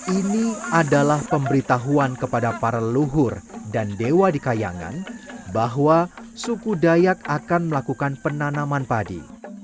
ini adalah pemberitahuan kepada para leluhur dan dewa di kayangan bahwa suku dayak akan melakukan penanaman padi